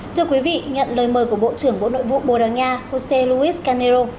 thưa quý vị nhận lời mời của bộ trưởng bộ nội vụ bồ đào nha josé luis canero